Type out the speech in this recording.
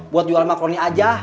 buat jual makroni aja